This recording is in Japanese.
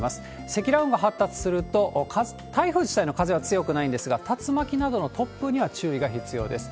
積乱雲が発達すると、台風自体の風は強くないんですが、竜巻などの突風には注意が必要です。